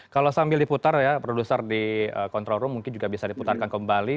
kalau sambil diputar ya produser di control room mungkin juga bisa diputarkan kembali